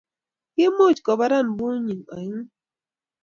Kimuch kubaran bunyik oeng'u